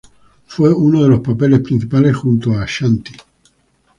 Fue uno de los papeles principales junto a Ashanti.